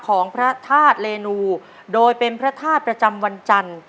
ของพระธาตุเลนูโดยเป็นพระธาตุประจำวันจันทร์